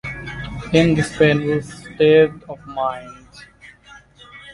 In this painful state of mind.